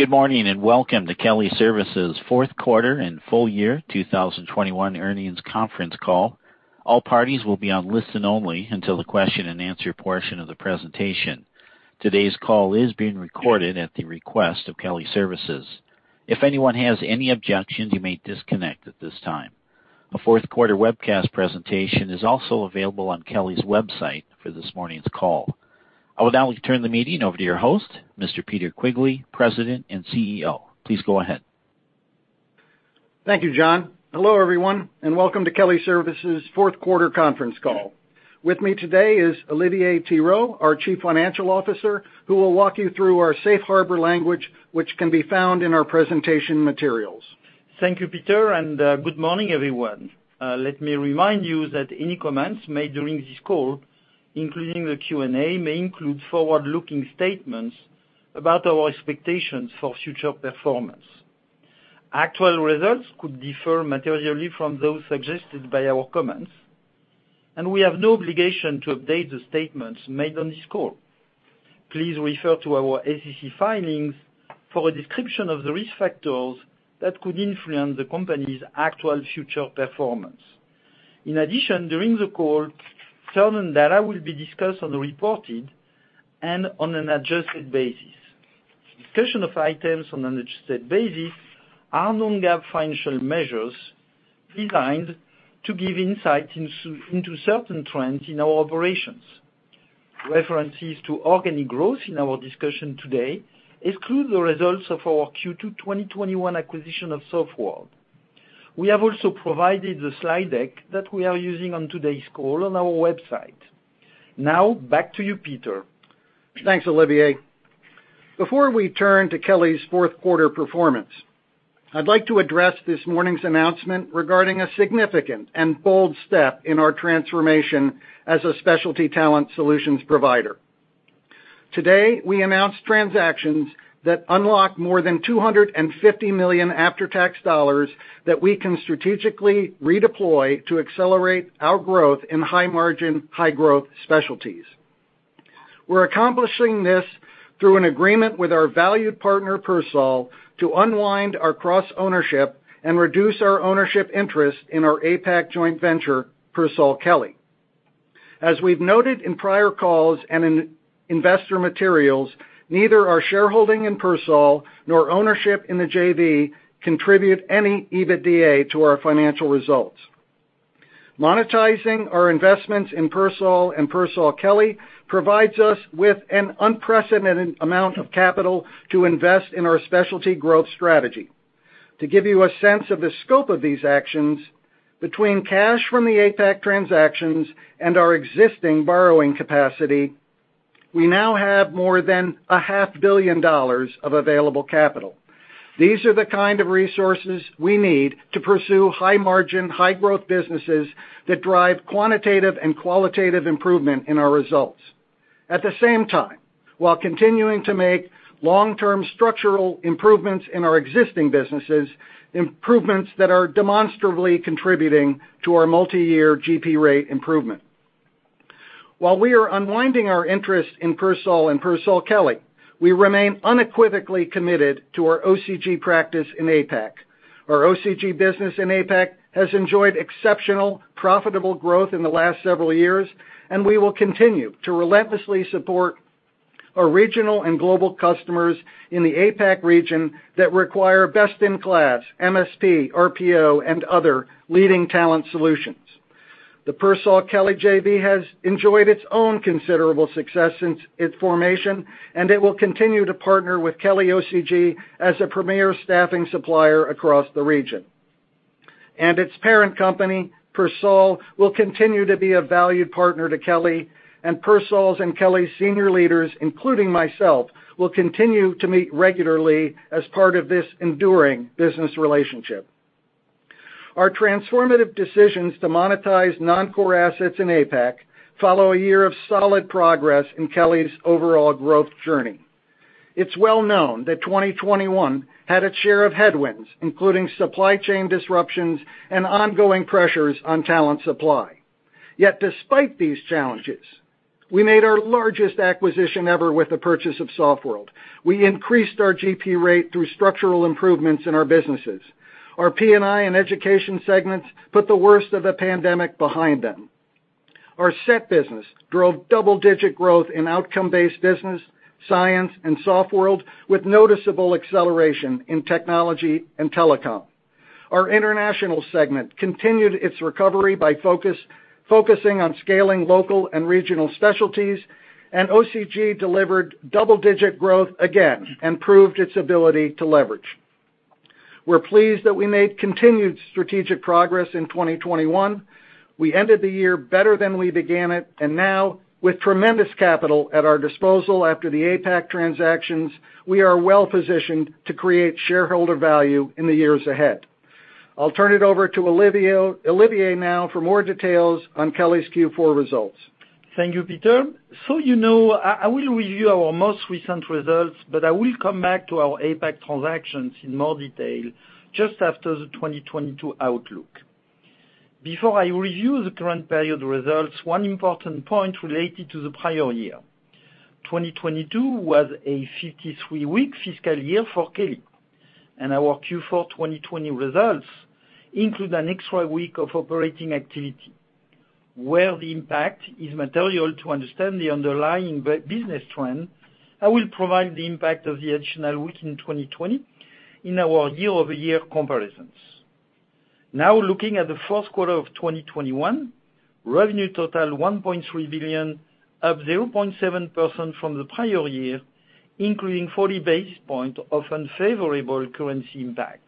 Good morning, and welcome to Kelly Services' fourth quarter and full year 2021 earnings conference call. All parties will be on listen only until the question-and-answer portion of the presentation. Today's call is being recorded at the request of Kelly Services. If anyone has any objections, you may disconnect at this time. A fourth quarter webcast presentation is also available on Kelly's website for this morning's call. I will now turn the meeting over to your host, Mr. Peter Quigley, President and CEO. Please go ahead. Thank you, John. Hello, everyone, and welcome to Kelly Services' fourth quarter conference call. With me today is Olivier Thirot, our Chief Financial Officer, who will walk you through our safe harbor language, which can be found in our presentation materials. Thank you, Peter, and good morning, everyone. Let me remind you that any comments made during this call, including the Q&A, may include forward-looking statements about our expectations for future performance. Actual results could differ materially from those suggested by our comments, and we have no obligation to update the statements made on this call. Please refer to our SEC filings for a description of the risk factors that could influence the company's actual future performance. In addition, during the call, certain data will be discussed and reported on an adjusted basis. Discussion of items on an adjusted basis are non-GAAP financial measures designed to give insight into certain trends in our operations. References to organic growth in our discussion today exclude the results of our Q2 2021 acquisition of Softworld. We have also provided the slide deck that we are using on today's call on our website. Now back to you, Peter. Thanks, Olivier. Before we turn to Kelly's fourth quarter performance, I'd like to address this morning's announcement regarding a significant and bold step in our transformation as a specialty talent solutions provider. Today, we announced transactions that unlock more than $250 million after-tax dollars that we can strategically redeploy to accelerate our growth in high margin, high growth specialties. We're accomplishing this through an agreement with our valued partner, PERSOL, to unwind our cross-ownership and reduce our ownership interest in our APAC joint venture, PERSOLKELLY. As we've noted in prior calls and in investor materials, neither our shareholding in PERSOL nor ownership in the JV contribute any EBITDA to our financial results. Monetizing our investments in PERSOL and PERSOLKELLY provides us with an unprecedented amount of capital to invest in our specialty growth strategy. To give you a sense of the scope of these actions, between cash from the APAC transactions and our existing borrowing capacity, we now have more than $500 million of available capital. These are the kind of resources we need to pursue high margin, high growth businesses that drive quantitative and qualitative improvement in our results, at the same time, while continuing to make long-term structural improvements in our existing businesses, improvements that are demonstrably contributing to our multi-year GP rate improvement. While we are unwinding our interest in PERSOL and PERSOLKELLY, we remain unequivocally committed to our OCG practice in APAC. Our OCG business in APAC has enjoyed exceptional profitable growth in the last several years, and we will continue to relentlessly support our regional and global customers in the APAC region that require best-in-class MSP, RPO, and other leading talent solutions. The PERSOLKELLY JV has enjoyed its own considerable success since its formation, and it will continue to partner with Kelly OCG as a premier staffing supplier across the region. Its parent company, PERSOL, will continue to be a valued partner to Kelly, and PERSOL's and Kelly's senior leaders, including myself, will continue to meet regularly as part of this enduring business relationship. Our transformative decisions to monetize non-core assets in APAC follow a year of solid progress in Kelly's overall growth journey. It's well known that 2021 had its share of headwinds, including supply chain disruptions and ongoing pressures on talent supply. Yet despite these challenges, we made our largest acquisition ever with the purchase of Softworld. We increased our GP rate through structural improvements in our businesses. Our P&I and Education segments put the worst of the pandemic behind them. Our SET business drove double-digit growth in outcome-based business, science, and Softworld, with noticeable acceleration in technology and telecom. Our International segment continued its recovery by focusing on scaling local and regional specialties, and OCG delivered double-digit growth again and proved its ability to leverage. We're pleased that we made continued strategic progress in 2021. We ended the year better than we began it, and now with tremendous capital at our disposal after the APAC transactions, we are well-positioned to create shareholder value in the years ahead. I'll turn it over to Olivier now for more details on Kelly's Q4 results. Thank you, Peter. You know, I will review our most recent results, but I will come back to our APAC transactions in more detail just after the 2022 outlook. Before I review the current period results, one important point related to the prior year. 2022 was a 53-week fiscal year for Kelly, and our Q4 2020 results include an extra week of operating activity where the impact is material to understand the underlying business trend. I will provide the impact of the additional week in 2020 in our year-over-year comparisons. Now, looking at the first quarter of 2021, revenue totaled $1.3 billion, up 0.7% from the prior year, including 40 basis points of unfavorable currency impact.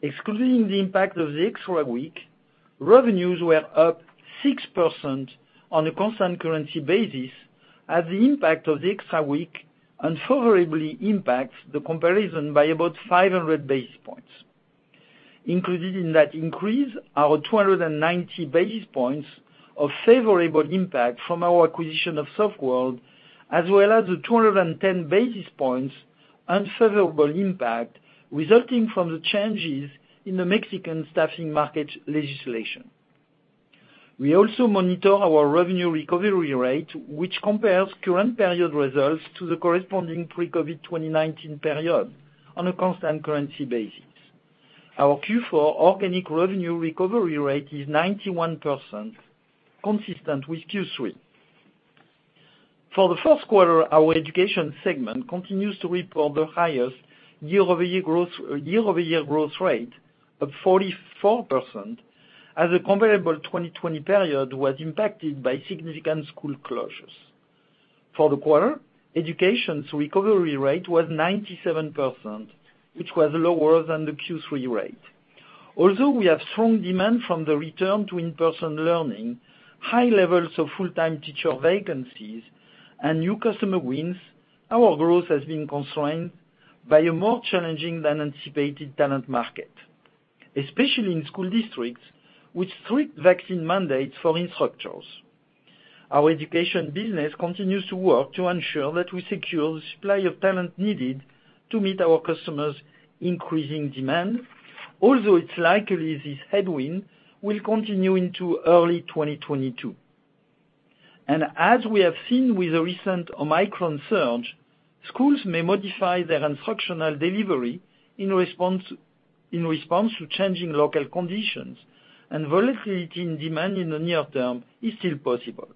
Excluding the impact of the extra week, revenues were up 6% on a constant currency basis as the impact of the extra week unfavorably impacts the comparison by about 500 basis points. Included in that increase are 290 basis points of favorable impact from our acquisition of Softworld, as well as the 210 basis points unfavorable impact resulting from the changes in the Mexican staffing market legislation. We also monitor our revenue recovery rate, which compares current period results to the corresponding pre-COVID 2019 period on a constant currency basis. Our Q4 organic revenue recovery rate is 91%, consistent with Q3. For the first quarter, our education segment continues to report the highest year-over-year growth, year-over-year growth rate of 44%, as the comparable 2020 period was impacted by significant school closures. For the quarter, education's recovery rate was 97%, which was lower than the Q3 rate. Although we have strong demand from the return to in-person learning, high levels of full-time teacher vacancies and new customer wins, our growth has been constrained by a more challenging than anticipated talent market, especially in school districts with strict vaccine mandates for instructors. Our education business continues to work to ensure that we secure the supply of talent needed to meet our customers' increasing demand. Although it's likely this headwind will continue into early 2022. As we have seen with the recent Omicron surge, schools may modify their instructional delivery in response to changing local conditions and volatility in demand in the near-term is still possible.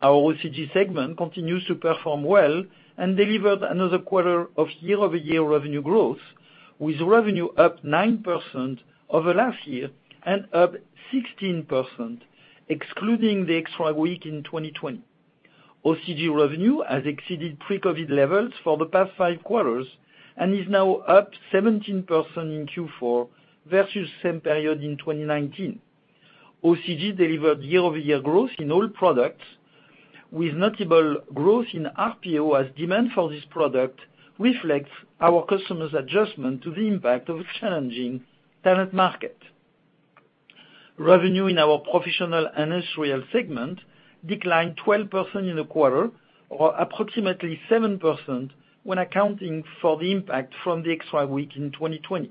Our OCG segment continues to perform well and delivered another quarter of year-over-year revenue growth, with revenue up 9% over last year and up 16% excluding the extra week in 2020. OCG revenue has exceeded pre-COVID levels for the past five quarters and is now up 17% in Q4 versus same period in 2019. OCG delivered year-over-year growth in all products, with notable growth in RPO as demand for this product reflects our customers' adjustment to the impact of a challenging talent market. Revenue in our professional and industrial segment declined 12% in the quarter, or approximately 7% when accounting for the impact from the extra week in 2020.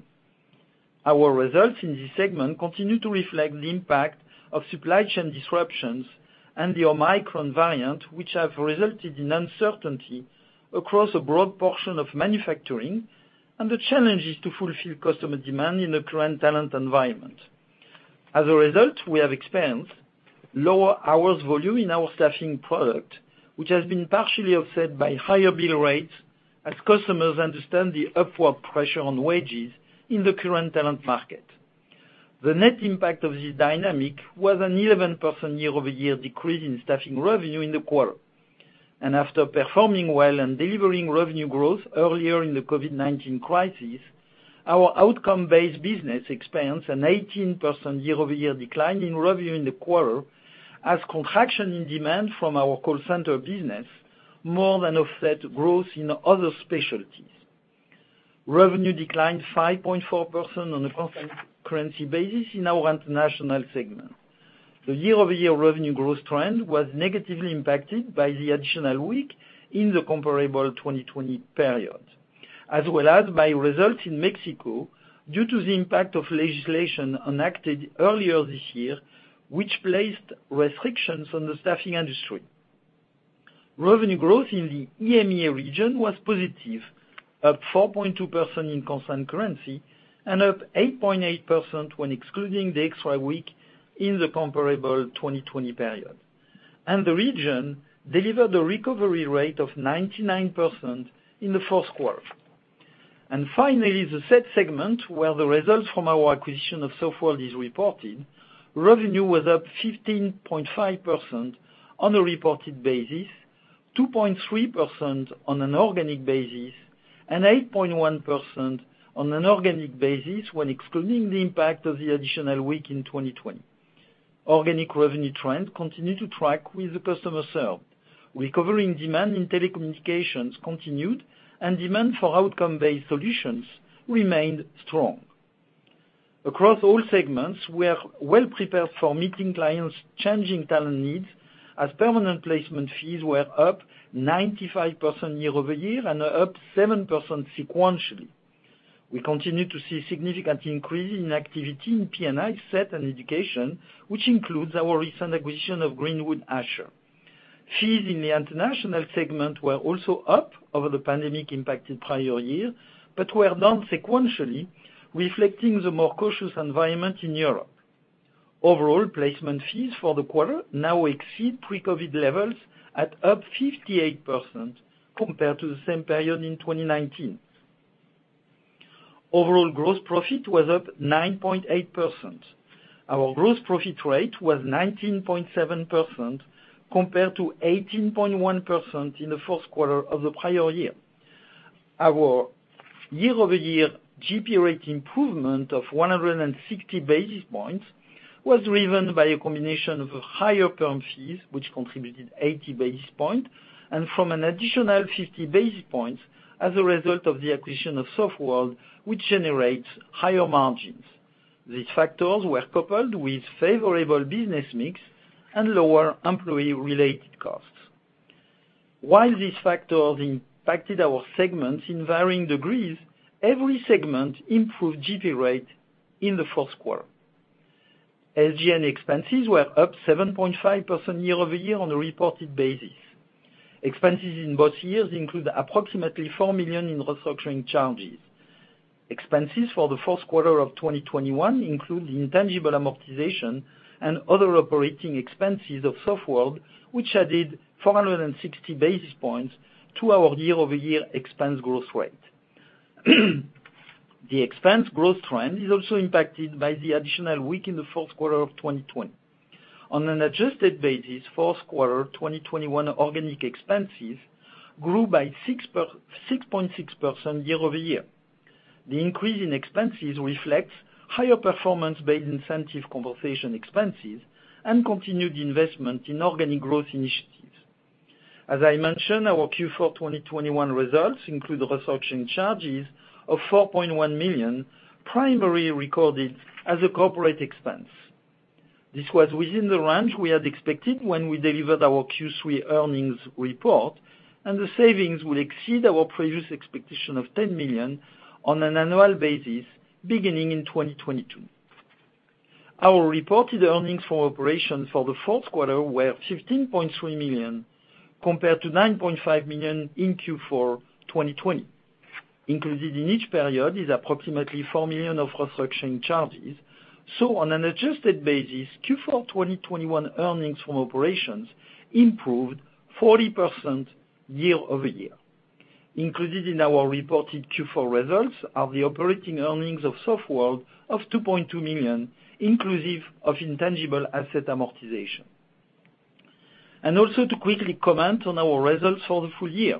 Our results in this segment continue to reflect the impact of supply chain disruptions and the Omicron variant, which have resulted in uncertainty across a broad portion of manufacturing and the challenges to fulfill customer demand in the current talent environment. As a result, we have experienced lower hours volume in our staffing product, which has been partially offset by higher bill rates as customers understand the upward pressure on wages in the current talent market. The net impact of this dynamic was an 11% year-over-year decrease in staffing revenue in the quarter. After performing well and delivering revenue growth earlier in the COVID-19 crisis, our outcome-based business experienced an 18% year-over-year decline in revenue in the quarter as contraction in demand from our call center business more than offset growth in other specialties. Revenue declined 5.4% on a constant currency basis in our International segment. The year-over-year revenue growth trend was negatively impacted by the additional week in the comparable 2020 period, as well as by results in Mexico due to the impact of legislation enacted earlier this year, which placed restrictions on the staffing industry. Revenue growth in the EMEA region was positive, up 4.2% in constant currency and up 8.8% when excluding the extra week in the comparable 2020 period. The region delivered a recovery rate of 99% in the first quarter. Finally, the SET segment, where the results from our acquisition of Softworld is reported, revenue was up 15.5% on a reported basis, 2.3% on an organic basis, and 8.1% on an organic basis when excluding the impact of the additional week in 2020. Organic revenue trend continued to track with the customer service. Recovering demand in telecommunications continued and demand for outcome-based solutions remained strong. Across all segments, we are well prepared for meeting clients' changing talent needs as permanent placement fees were up 95% year-over-year and up 7% sequentially. We continue to see significant increase in activity in P&I, SET, and Education, which includes our recent acquisition of Greenwood/Asher. Fees in the International segment were also up over the pandemic-impacted prior year, but were down sequentially, reflecting the more cautious environment in Europe. Overall, placement fees for the quarter now exceed pre-COVID levels at up 58% compared to the same period in 2019. Overall gross profit was up 9.8%. Our gross profit rate was 19.7% compared to 18.1% in the first quarter of the prior year. Our year-over-year GP rate improvement of 160 basis points was driven by a combination of higher perm fees, which contributed 80 basis points, and from an additional 50 basis points as a result of the acquisition of Softworld, which generates higher margins. These factors were coupled with favorable business mix and lower employee-related costs. While these factors impacted our segments in varying degrees, every segment improved GP rate in the fourth quarter. SG&A expenses were up 7.5% year-over-year on a reported basis. Expenses in both years include approximately $4 million in restructuring charges. Expenses for the first quarter of 2021 include the intangible amortization and other operating expenses of Softworld, which added 460 basis points to our year-over-year expense growth rate. The expense growth trend is also impacted by the additional week in the fourth quarter of 2020. On an adjusted basis, fourth quarter 2021 organic expenses grew by 6.6% year-over-year. The increase in expenses reflects higher performance-based incentive compensation expenses and continued investment in organic growth initiatives. As I mentioned, our Q4 2021 results include restructuring charges of $4.1 million, primarily recorded as a corporate expense. This was within the range we had expected when we delivered our Q3 earnings report, and the savings will exceed our previous expectation of $10 million on an annual basis beginning in 2022. Our reported earnings for operations for the fourth quarter were $15.3 million, compared to $9.5 million in Q4 2020. Included in each period is approximately $4 million of restructuring charges. On an adjusted basis, Q4 2021 earnings from operations improved 40% year-over-year. Included in our reported Q4 results are the operating earnings of Softworld of $2.2 million, inclusive of intangible asset amortization. To quickly comment on our results for the full year.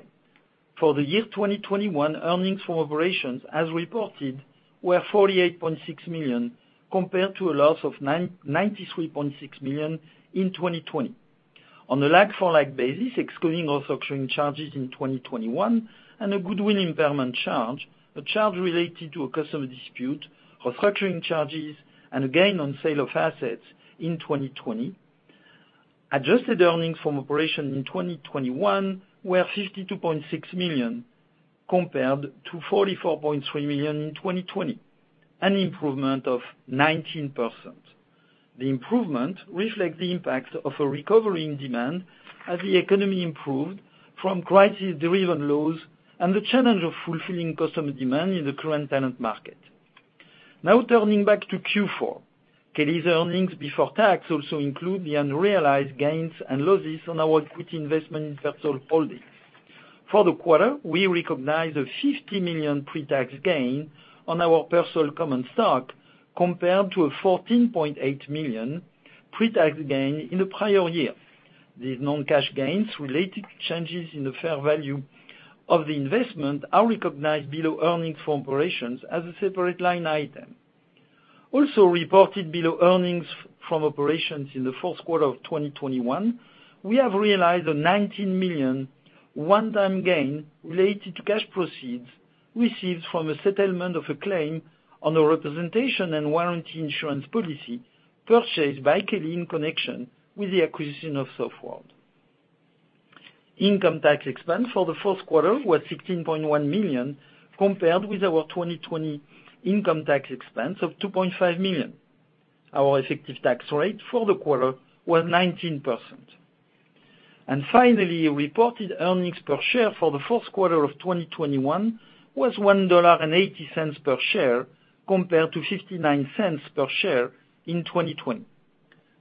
For the year 2021, earnings for operations as reported were $48.6 million, compared to a loss of $993.6 million in 2020. On a like-for-like basis, excluding restructuring charges in 2021 and a goodwill impairment charge, a charge related to a customer dispute, restructuring charges, and a gain on sale of assets in 2020, adjusted earnings from operation in 2021 were $52.6 million compared to $44.3 million in 2020, an improvement of 19%. The improvement reflects the impact of a recovery in demand as the economy improved from crisis-driven lows and the challenge of fulfilling customer demand in the current talent market. Now turning back to Q4. Kelly's earnings before tax also include the unrealized gains and losses on our equity investment in PERSOL Holdings. For the quarter, we recognized a $50 million pre-tax gain on our PERSOL common stock, compared to a $14.8 million pre-tax gain in the prior year. These non-cash gains related to changes in the fair value of the investment are recognized below earnings from operations as a separate line item. Also reported below earnings from operations in the fourth quarter of 2021, we have realized a $19 million one-time gain related to cash proceeds received from a settlement of a claim on a representation and warranty insurance policy purchased by Kelly in connection with the acquisition of Softworld. Income tax expense for the fourth quarter was $16.1 million, compared with our 2020 income tax expense of $2.5 million. Our effective tax rate for the quarter was 19%. Finally, reported earnings per share for the fourth quarter of 2021 was $1.80 per share, compared to $0.59 per share in 2020.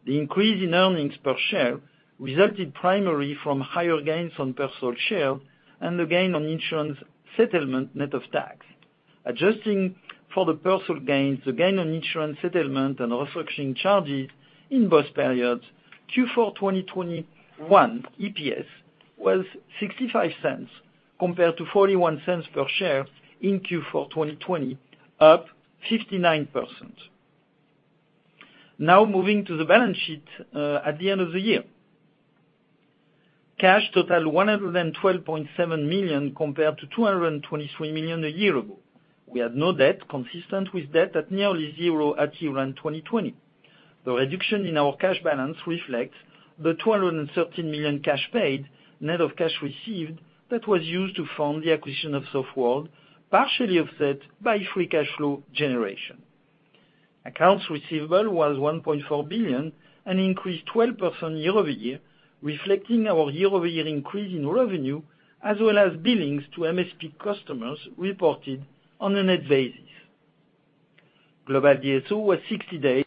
The increase in earnings per share resulted primarily from higher gains on PERSOL shares and the gain on insurance settlement net of tax. Adjusting for the PERSOL gains, the gain on insurance settlement, and restructuring charges in both periods, Q4 2021 EPS was $0.65 compared to $0.41 per share in Q4 2020, up 59%. Now moving to the balance sheet at the end of the year. Cash totaled $112.7 million compared to $223 million a year ago. We had no debt consistent with debt at nearly zero at year-end 2020. The reduction in our cash balance reflects the $213 million cash paid, net of cash received, that was used to fund the acquisition of Softworld, partially offset by free cash flow generation. Accounts receivable was $1.4 billion, an increase 12% year-over-year, reflecting our year-over-year increase in revenue, as well as billings to MSP customers reported on a net basis. Global DSO was 60 days.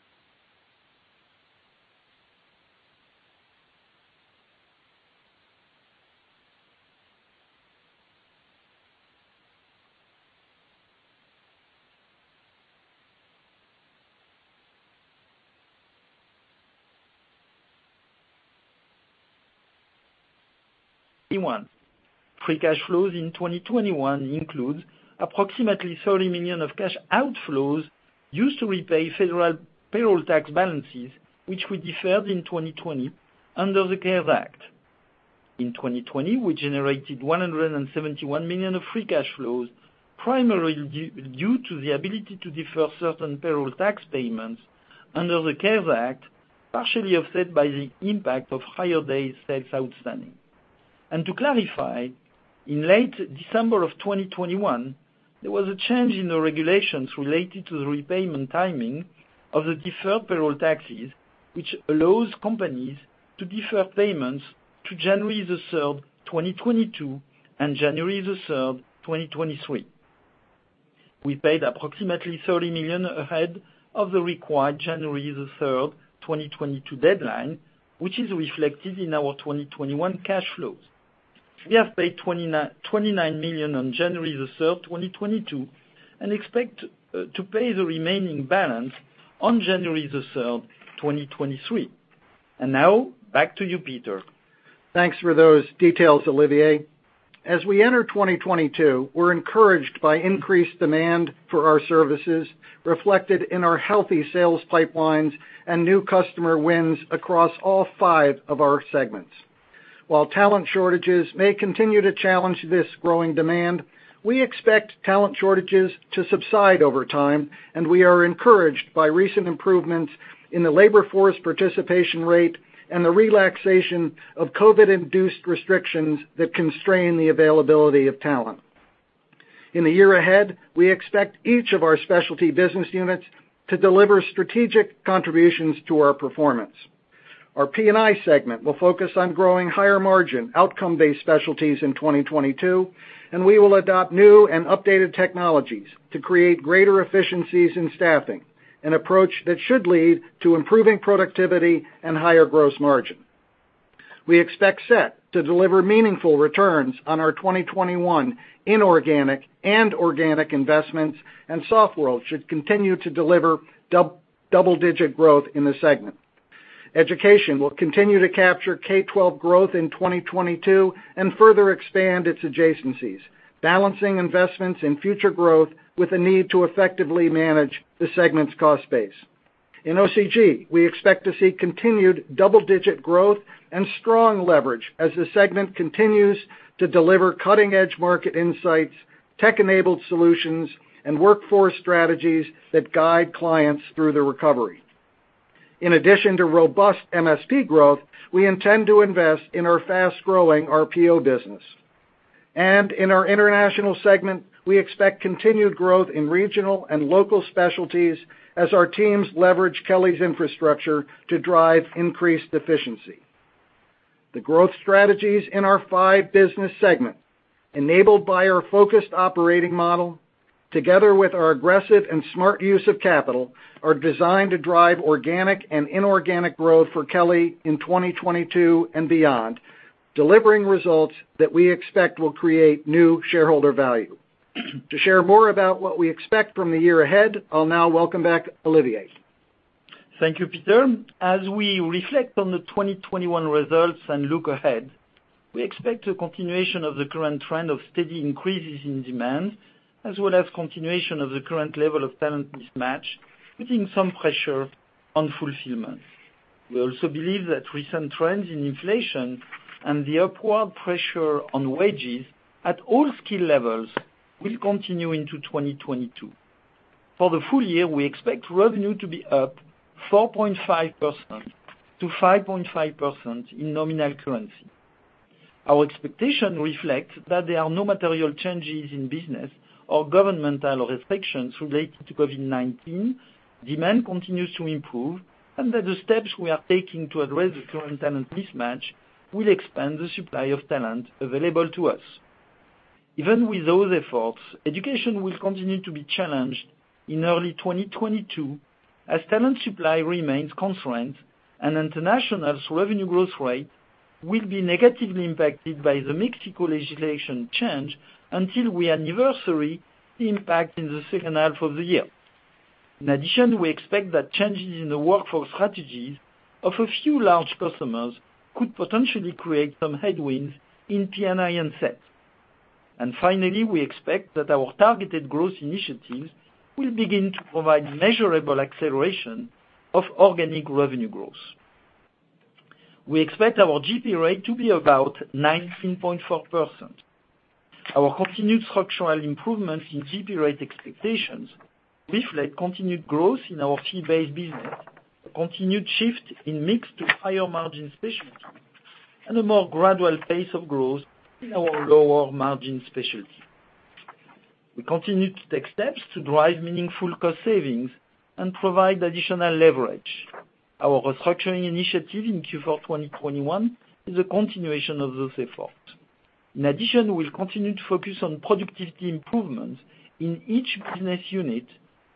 Free cash flows in 2021 includes approximately $30 million of cash outflows used to repay federal payroll tax balances, which we deferred in 2020 under the CARES Act. In 2020, we generated $171 million of free cash flows, primarily due to the ability to defer certain payroll tax payments under the CARES Act, partially offset by the impact of higher days sales outstanding. To clarify, in late December of 2021, there was a change in the regulations related to the repayment timing of the deferred payroll taxes, which allows companies to defer payments to January 3rd, 2022, and January 3rd, 2023. We paid approximately $30 million ahead of the required January 3rd, 2022 deadline, which is reflected in our 2021 cash flows. We have paid $29 million on January 3rd, 2022, and expect to pay the remaining balance on January 3rd, 2023. Now back to you, Peter. Thanks for those details, Olivier. As we enter 2022, we're encouraged by increased demand for our services reflected in our healthy sales pipelines and new customer wins across all five of our segments. While talent shortages may continue to challenge this growing demand, we expect talent shortages to subside over time, and we are encouraged by recent improvements in the labor force participation rate and the relaxation of COVID-induced restrictions that constrain the availability of talent. In the year ahead, we expect each of our specialty business units to deliver strategic contributions to our performance. Our P&I segment will focus on growing higher margin, outcome-based specialties in 2022, and we will adopt new and updated technologies to create greater efficiencies in staffing, an approach that should lead to improving productivity and higher gross margin. We expect SET to deliver meaningful returns on our 2021 inorganic and organic investments, and Softworld should continue to deliver double-digit growth in the segment. Education will continue to capture K-12 growth in 2022 and further expand its adjacencies, balancing investments in future growth with a need to effectively manage the segment's cost base. In OCG, we expect to see continued double-digit growth and strong leverage as the segment continues to deliver cutting-edge market insights, tech-enabled solutions, and workforce strategies that guide clients through the recovery. In addition to robust MSP growth, we intend to invest in our fast-growing RPO business. In our International segment, we expect continued growth in regional and local specialties as our teams leverage Kelly's infrastructure to drive increased efficiency. The growth strategies in our five business segment, enabled by our focused operating model, together with our aggressive and smart use of capital, are designed to drive organic and inorganic growth for Kelly in 2022 and beyond, delivering results that we expect will create new shareholder value. To share more about what we expect from the year ahead, I'll now welcome back Olivier. Thank you, Peter. As we reflect on the 2021 results and look ahead, we expect a continuation of the current trend of steady increases in demand, as well as continuation of the current level of talent mismatch, putting some pressure on fulfillment. We also believe that recent trends in inflation and the upward pressure on wages at all skill levels will continue into 2022. For the full year, we expect revenue to be up 4.5%-5.5% in nominal currency. Our expectation reflects that there are no material changes in business or governmental restrictions related to COVID-19, demand continues to improve, and that the steps we are taking to address the current talent mismatch will expand the supply of talent available to us. Even with those efforts, education will continue to be challenged in early 2022 as talent supply remains constrained and International's revenue growth rate will be negatively impacted by the Mexico legislation change until we anniversary the impact in the second half of the year. In addition, we expect that changes in the workforce strategies of a few large customers could potentially create some headwinds in P&I and SET. Finally, we expect that our targeted growth initiatives will begin to provide measurable acceleration of organic revenue growth. We expect our GP rate to be about 19.4%. Our continued structural improvements in GP rate expectations reflect continued growth in our fee-based business, a continued shift in mix to higher margin specialties and a more gradual pace of growth in our lower margin specialty. We continue to take steps to drive meaningful cost savings and provide additional leverage. Our restructuring initiative in Q4 2021 is a continuation of those efforts. In addition, we'll continue to focus on productivity improvements in each business unit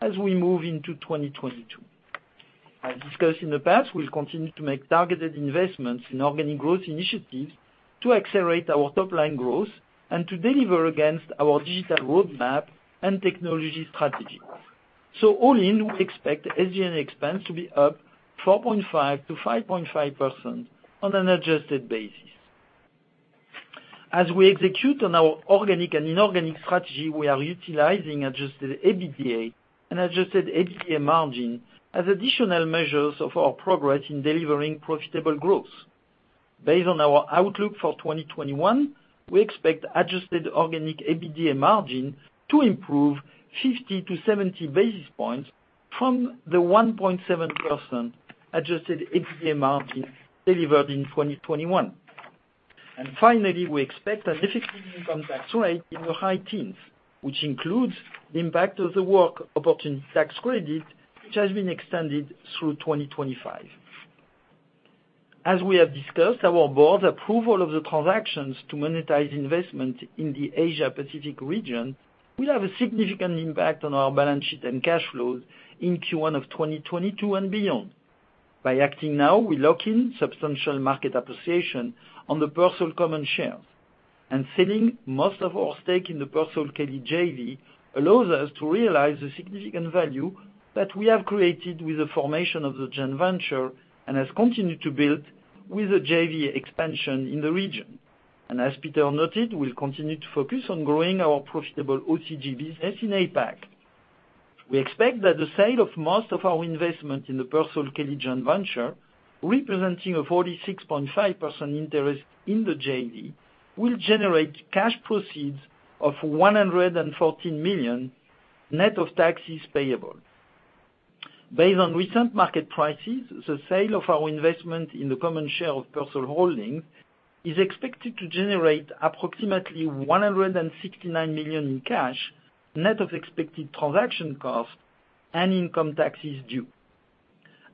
as we move into 2022. As discussed in the past, we'll continue to make targeted investments in organic growth initiatives to accelerate our top line growth and to deliver against our digital roadmap and technology strategy. All in, we expect SG&A expense to be up 4.5%-5.5% on an adjusted basis. As we execute on our organic and inorganic strategy, we are utilizing adjusted EBITDA and adjusted EBITDA margin as additional measures of our progress in delivering profitable growth. Based on our outlook for 2021, we expect adjusted organic EBITDA margin to improve 50-70 basis points from the 1.7% adjusted EBITDA margin delivered in 2021. Finally, we expect an effective income tax rate in the high teens, which includes the impact of the Work Opportunity Tax Credit, which has been extended through 2025. As we have discussed, our board's approval of the transactions to monetize investment in the Asia Pacific region will have a significant impact on our balance sheet and cash flows in Q1 of 2022 and beyond. By acting now, we lock in substantial market appreciation on the PERSOL common shares. Selling most of our stake in the PERSOLKELLY JV allows us to realize the significant value that we have created with the formation of the joint venture and has continued to build with the JV expansion in the region. As Peter noted, we'll continue to focus on growing our profitable OCG business in APAC. We expect that the sale of most of our investment in the PERSOLKELLY joint venture, representing a 46.5% interest in the JV, will generate cash proceeds of $114 million, net of taxes payable. Based on recent market prices, the sale of our investment in the common share of PERSOL Holdings is expected to generate approximately $169 million in cash, net of expected transaction costs and income taxes due.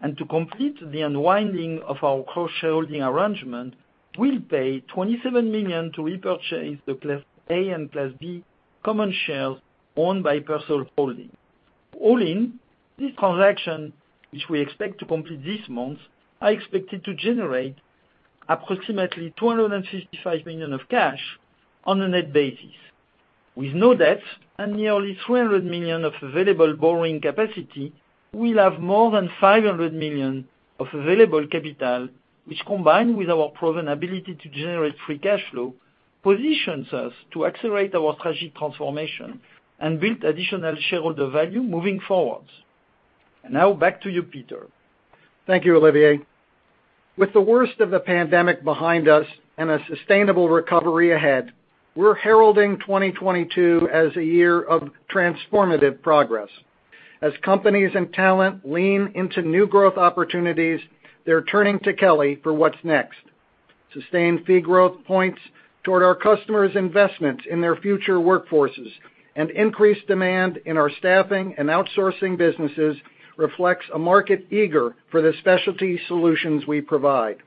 To complete the unwinding of our cross-shareholding arrangement, we'll pay $27 million to repurchase the Class A and Class B common shares owned by PERSOL Holdings. All in, this transaction, which we expect to complete this month, are expected to generate approximately $255 million of cash on a net basis. With no debt and nearly $300 million of available borrowing capacity, we'll have more than $500 million of available capital, which combined with our proven ability to generate free cash flow, positions us to accelerate our strategic transformation and build additional shareholder value moving forward. Now back to you, Peter. Thank you, Olivier. With the worst of the pandemic behind us and a sustainable recovery ahead, we're heralding 2022 as a year of transformative progress. As companies and talent lean into new growth opportunities, they're turning to Kelly for what's next. Sustained fee growth points toward our customers' investments in their future workforces, and increased demand in our staffing and outsourcing businesses reflects a market eager for the specialty solutions we provide.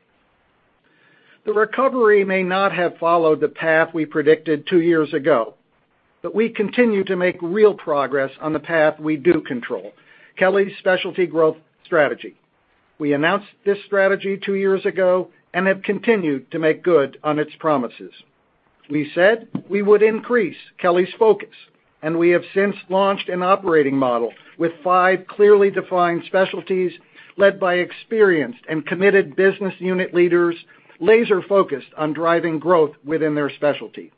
The recovery may not have followed the path we predicted two years ago, but we continue to make real progress on the path we do control, Kelly's specialty growth strategy. We announced this strategy two years ago and have continued to make good on its promises. We said we would increase Kelly's focus, and we have since launched an operating model with five clearly defined specialties led by experienced and committed business unit leaders laser focused on driving growth within their specialty.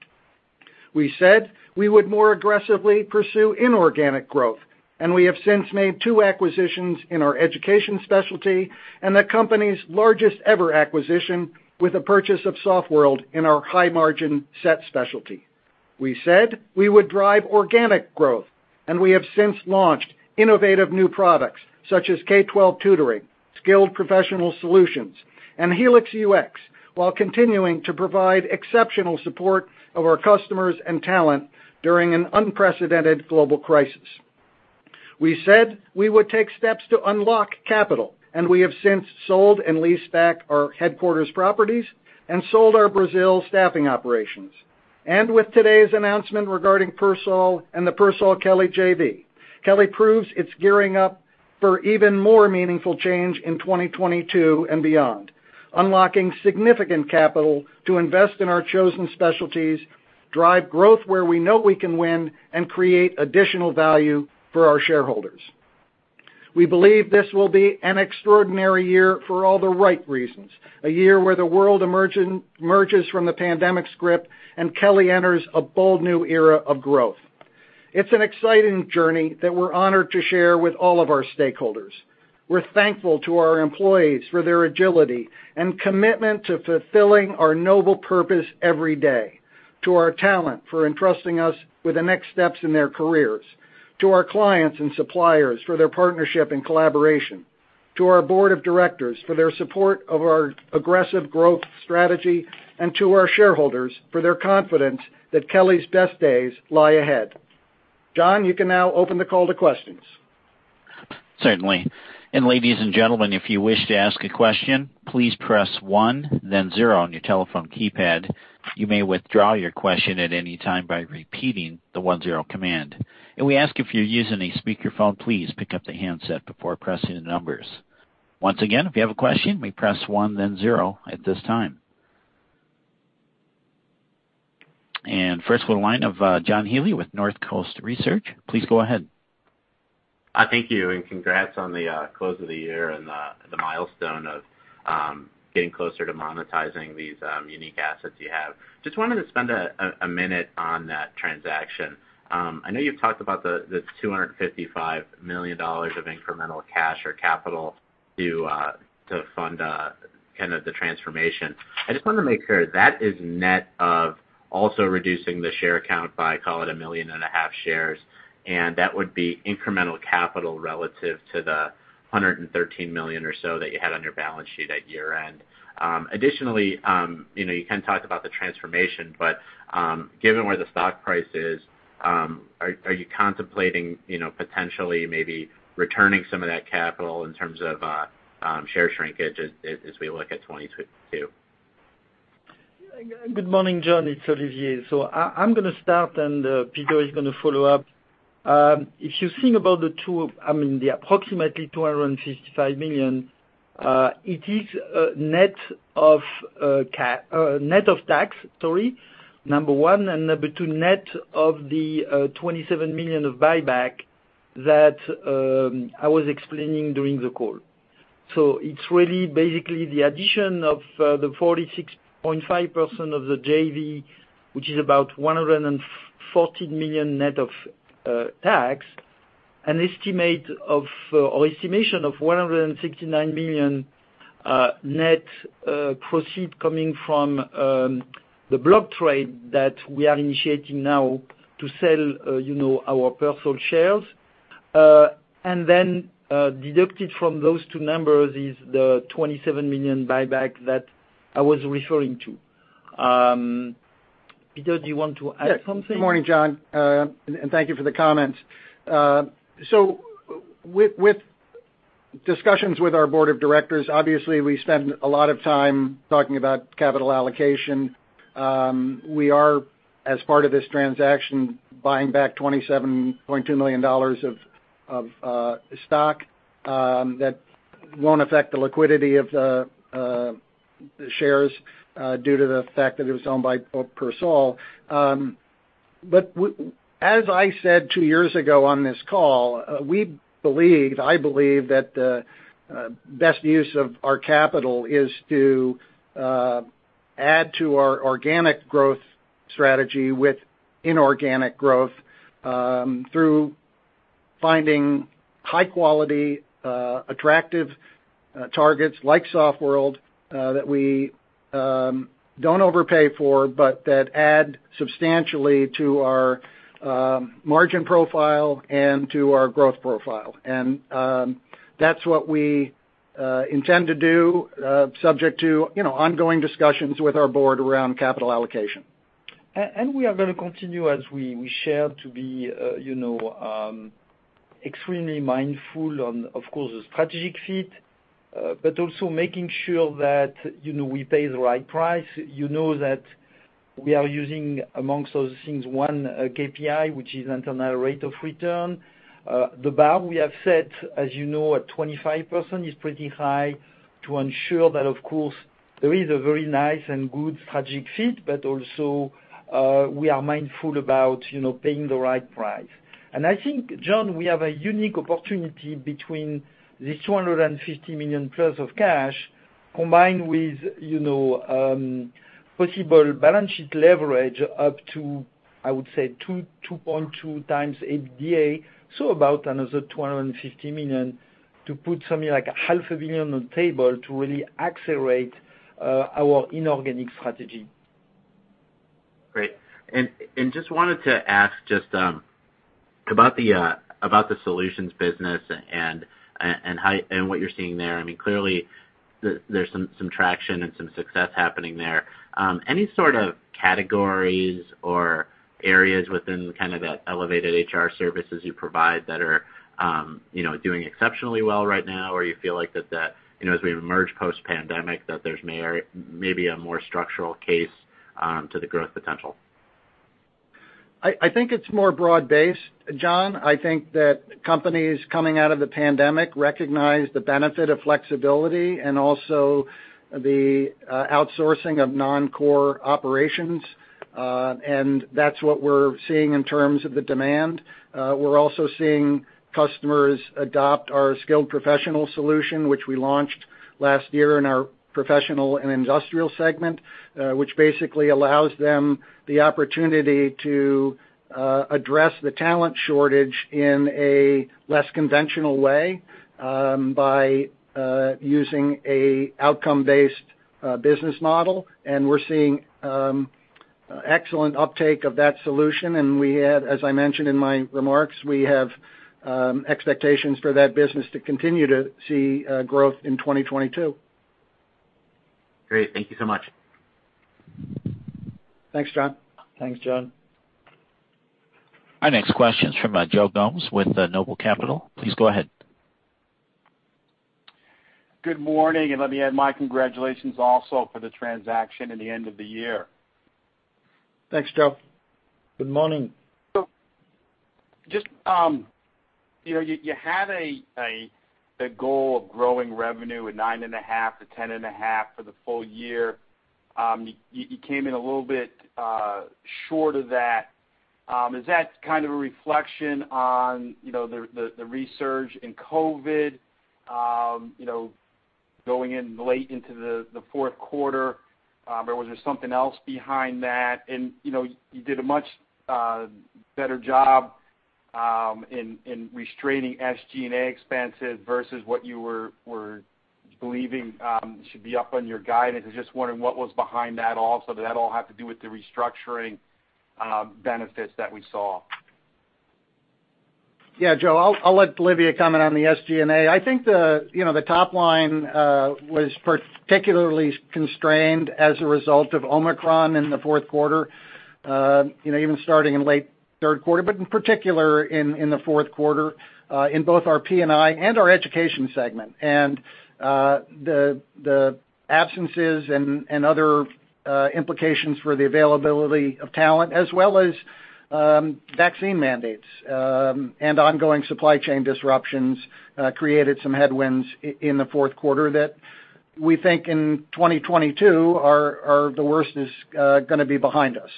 We said we would more aggressively pursue inorganic growth, and we have since made two acquisitions in our education specialty and the company's largest ever acquisition with the purchase of Softworld in our high-margin SET specialty. We said we would drive organic growth, and we have since launched innovative new products such as K-12 tutoring, skilled professional solutions, and Helix UX, while continuing to provide exceptional support of our customers and talent during an unprecedented global crisis. We said we would take steps to unlock capital, and we have since sold and leased back our headquarters properties and sold our Brazil staffing operations. With today's announcement regarding PERSOL and the PERSOLKELLY JV, Kelly proves it's gearing up for even more meaningful change in 2022 and beyond, unlocking significant capital to invest in our chosen specialties, drive growth where we know we can win, and create additional value for our shareholders. We believe this will be an extraordinary year for all the right reasons, a year where the world emerges from the pandemic's grip and Kelly enters a bold new era of growth. It's an exciting journey that we're honored to share with all of our stakeholders. We're thankful to our employees for their agility and commitment to fulfilling our noble purpose every day, to our talent for entrusting us with the next steps in their careers, to our clients and suppliers for their partnership and collaboration, to our board of directors for their support of our aggressive growth strategy, and to our shareholders for their confidence that Kelly's best days lie ahead. John, you can now open the call to questions. Certainly. Ladies and gentlemen, if you wish to ask a question, please press one then zero on your telephone keypad. You may withdraw your question at any time by repeating the one-zero command. We ask if you're using a speakerphone, please pick up the handset before pressing the numbers. Once again, if you have a question, you may press one then zero at this time. First we'll go to the line of John Healy with Northcoast Research. Please go ahead. Thank you, and congrats on the close of the year and the milestone of getting closer to monetizing these unique assets you have. Just wanted to spend a minute on that transaction. I know you've talked about the $255 million of incremental cash or capital to fund kind of the transformation. I just wanna make sure that is net of also reducing the share count by, call it, 1.5 million shares, and that would be incremental capital relative to the $113 million or so that you had on your balance sheet at year-end. Additionally, you know, you can talk about the transformation, but, given where the stock price is, are you contemplating, you know, potentially maybe returning some of that capital in terms of share shrinkage as we look at 2022? Good morning, John. It's Olivier. I'm gonna start, and Peter is gonna follow-up. If you think about the approximately $255 million, it is net of tax, sorry, number one. Number two, net of the $27 million of buyback that I was explaining during the call. It's really basically the addition of the 46.5% of the JV, which is about $140 million net of tax, an estimate or estimation of $169 million net proceeds coming from the block trade that we are initiating now to sell, you know, our PERSOL shares. And then deducted from those two numbers is the $27 million buyback that I was referring to. Peter, do you want to add something? Yes. Good morning, John, and thank you for the comments. With discussions with our board of directors, obviously we spend a lot of time talking about capital allocation. We are, as part of this transaction, buying back $27.2 million of stock that won't affect the liquidity of the shares due to the fact that it was owned by PERSOL. As I said two years ago on this call, we believe, I believe that the best use of our capital is to add to our organic growth strategy with inorganic growth through finding high quality attractive targets like Softworld that we don't overpay for, but that add substantially to our margin profile and to our growth profile. That's what we intend to do, subject to, you know, ongoing discussions with our board around capital allocation. We are gonna continue, as we shared, to be, you know, extremely mindful on, of course, the strategic fit, but also making sure that, you know, we pay the right price. You know that we are using, amongst those things, one KPI, which is internal rate of return. The bar we have set, as you know, at 25% is pretty high to ensure that of course there is a very nice and good strategic fit, but also, we are mindful about, you know, paying the right price. I think, John, we have a unique opportunity between this $250 million+ of cash combined with, you know, possible balance sheet leverage up to, I would say, 2.2 times EBITDA, so about another $250 million, to put something like $0.5 Billion on the table to really accelerate our inorganic strategy. Great. Just wanted to ask about the solutions business and how and what you're seeing there. I mean, clearly there's some traction and some success happening there. Any sort of categories or areas within kind of that elevated HR services you provide that are, you know, doing exceptionally well right now, or you feel like that the you know, as we emerge post-pandemic, that there's maybe a more structural case to the growth potential? I think it's more broad-based, John. I think that companies coming out of the pandemic recognize the benefit of flexibility and also the outsourcing of non-core operations. That's what we're seeing in terms of the demand. We're also seeing customers adopt our skilled professional solution, which we launched last year in our professional and industrial segment, which basically allows them the opportunity to address the talent shortage in a less conventional way, by using an outcome-based business model. We're seeing excellent uptake of that solution, and we have, as I mentioned in my remarks, expectations for that business to continue to see growth in 2022. Great. Thank you so much. Thanks, John. Thanks, John. Our next question is from Joe Gomes with Noble Capital. Please go ahead. Good morning, and let me add my congratulations also for the transaction in the end of the year. Thanks, Joe. Good morning. Just, you know, you had a goal of growing revenue at 9.5%-10.5% for the full year. You came in a little bit short of that. Is that kind of a reflection on, you know, the resurgence in COVID, you know, going in late into the fourth quarter, or was there something else behind that? You know, you did a much better job in restraining SG&A expenses versus what you were believing should be up on your guidance. I'm just wondering what was behind that also. Did that all have to do with the restructuring benefits that we saw? Yeah, Joe. I'll let Olivier comment on the SG&A. I think, you know, the top line was particularly constrained as a result of Omicron in the fourth quarter, you know, even starting in late third quarter, but in particular in the fourth quarter, in both our P&I and our education segment. The absences and other implications for the availability of talent as well as vaccine mandates and ongoing supply chain disruptions created some headwinds in the fourth quarter that we think in 2022 the worst is gonna be behind us.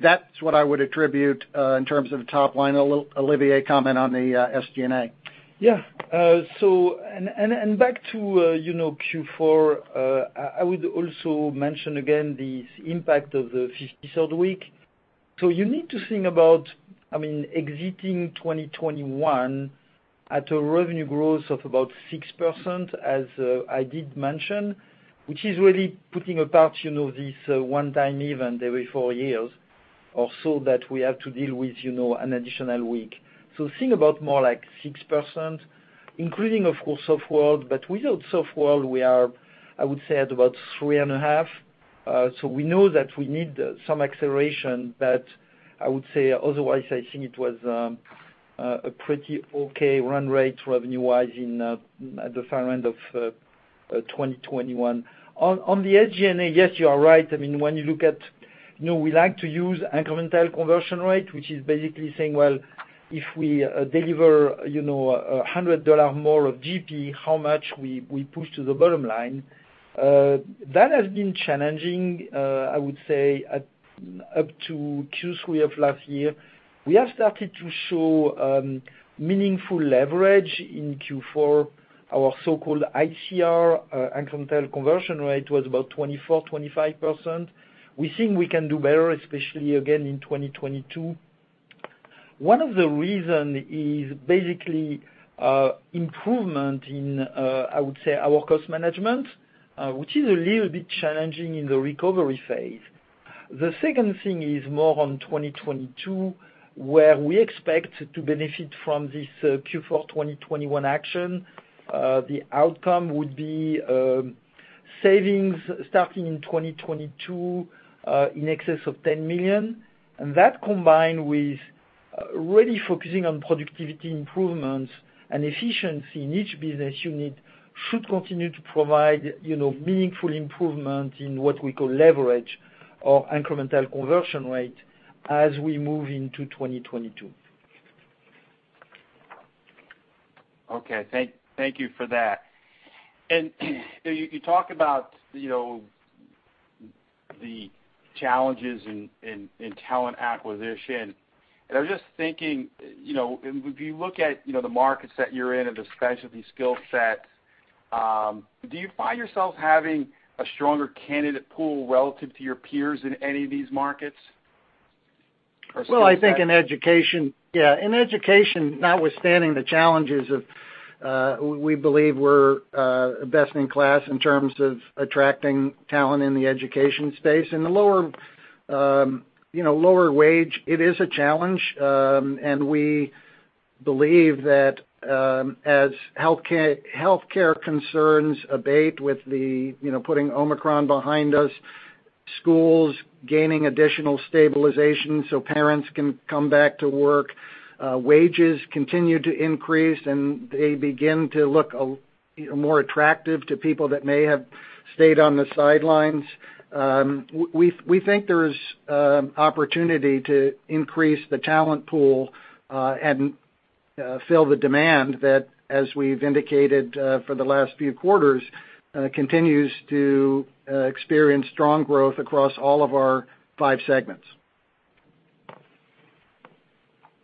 That's what I would attribute in terms of top line. I'll let Olivier comment on the SG&A. Yeah. And back to you know, Q4, I would also mention again the impact of the 53rd week. You need to think about, I mean, exiting 2021 at a revenue growth of about 6%, as I did mention, which is really putting aside, you know, this one time event every four years or so that we have to deal with, you know, an additional week. Think about more like 6%, including, of course, Softworld, but without Softworld, we are, I would say, at about 3.5. We know that we need some acceleration, but I would say otherwise, I think it was a pretty okay run rate revenue-wise at the far end of 2021. On the SG&A, yes, you are right. I mean, when you look at, you know, we like to use incremental conversion rate, which is basically saying, well, if we deliver, you know, a $100 more of GP, how much we push to the bottom line. That has been challenging, I would say up to Q3 of last year. We have started to show meaningful leverage in Q4. Our so-called ICR, incremental conversion rate, was about 24%-25%. We think we can do better, especially again in 2022. One of the reason is basically improvement in, I would say, our cost management, which is a little bit challenging in the recovery phase. The second thing is more on 2022, where we expect to benefit from this Q4 2021 action. The outcome would be savings starting in 2022 in excess of $10 million. That combined with really focusing on productivity improvements and efficiency in each business unit should continue to provide, you know, meaningful improvement in what we call leverage or incremental conversion rate as we move into 2022. Okay. Thank you for that. You talk about, you know, the challenges in talent acquisition. I'm just thinking, you know, and if you look at, you know, the markets that you're in and the specialty skill sets. Do you find yourself having a stronger candidate pool relative to your peers in any of these markets or skill set? Well, I think in education, yeah. In education, notwithstanding the challenges of, we believe we're best in class in terms of attracting talent in the education space. In the lower, you know, lower wage, it is a challenge, and we believe that, as healthcare concerns abate with the, you know, putting Omicron behind us, schools gaining additional stabilization so parents can come back to work, wages continue to increase, and they begin to look, you know, more attractive to people that may have stayed on the sidelines. We think there's opportunity to increase the talent pool, and fill the demand that, as we've indicated, for the last few quarters, continues to experience strong growth across all of our five segments.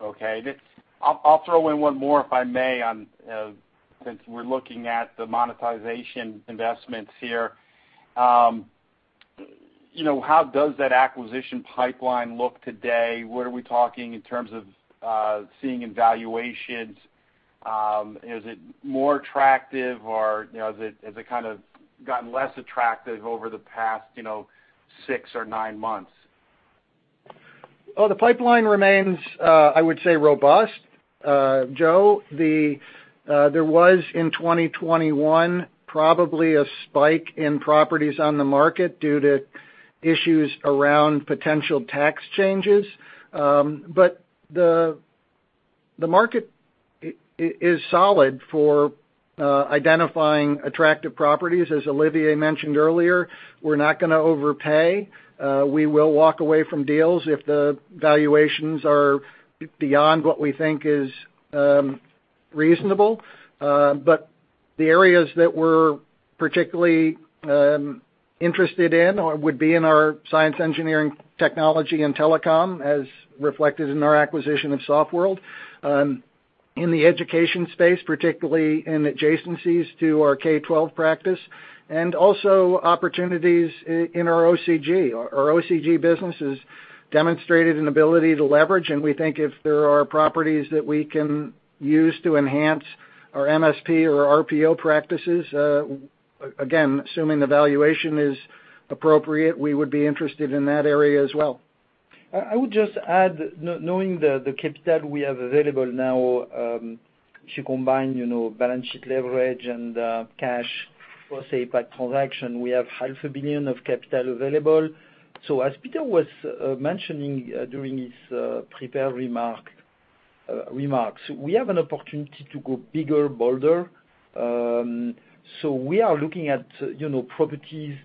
Okay. Just, I'll throw in one more, if I may, on since we're looking at the monetization investments here. You know, how does that acquisition pipeline look today? What are we talking in terms of seeing in valuations? Is it more attractive or, you know, has it kind of gotten less attractive over the past, you know, six or nine months? Well, the pipeline remains, I would say, robust, Joe. There was, in 2021, probably a spike in properties on the market due to issues around potential tax changes. The market is solid for identifying attractive properties. As Olivier mentioned earlier, we're not gonna overpay. We will walk away from deals if the valuations are beyond what we think is reasonable. The areas that we're particularly interested in or would be in our science, engineering, technology, and telecom, as reflected in our acquisition of Softworld. In the education space, particularly in adjacencies to our K-12 practice, and also opportunities in our OCG. Our OCG business has demonstrated an ability to leverage, and we think if there are properties that we can use to enhance our MSP or RPO practices, again, assuming the valuation is appropriate, we would be interested in that area as well. I would just add, knowing the capital we have available now, to combine, you know, balance sheet leverage and cash for, say, per transaction, we have half a billion of capital available. As Peter was mentioning during his prepared remarks, we have an opportunity to go bigger, bolder. We are looking at, you know, properties